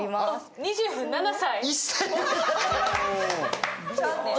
２７歳。